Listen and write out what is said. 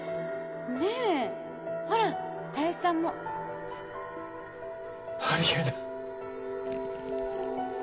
ねぇほら林さんもあり得ない。